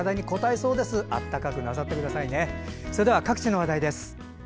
それでは各地の話題です。